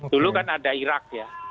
dulu kan ada irak ya